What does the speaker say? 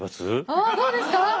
ああどうですか？